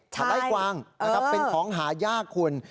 พลัยกวางเป็นของหาย่าคุณ